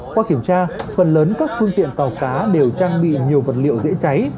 qua kiểm tra phần lớn các phương tiện tàu cá đều trang bị nhiều vật liệu dễ cháy